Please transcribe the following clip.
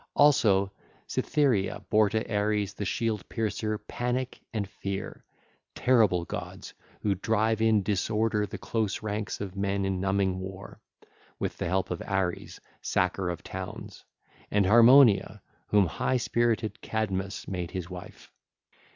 (ll. 933 937) Also Cytherea bare to Ares the shield piercer Panic and Fear, terrible gods who drive in disorder the close ranks of men in numbing war, with the help of Ares, sacker of towns: and Harmonia whom high spirited Cadmus made his wife.